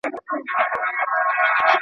ایا افغان سوداګر شین ممیز پلوري؟